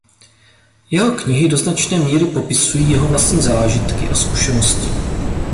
Jeho knihy do značné míry popisují jeho vlastní zážitky a zkušenosti.